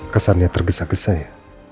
kesannya tergesa gesa ya